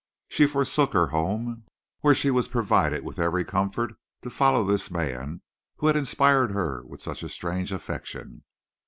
She forsook her home, where she was provided with every comfort, to follow this man who had inspired her with such a strange affection.